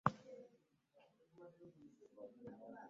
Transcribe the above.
Gamba, omuntu ayinza okuziga ensolo ye n’aleka ng’alambye ekizigo kye.